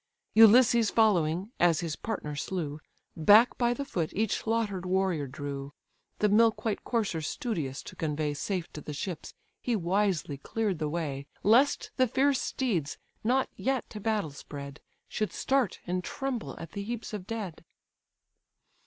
Ulysses following, as his partner slew, Back by the foot each slaughter'd warrior drew; The milk white coursers studious to convey Safe to the ships, he wisely cleared the way: Lest the fierce steeds, not yet to battles bred, Should start, and tremble at the heaps of dead.